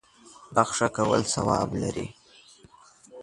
بخښه کول ثواب لري.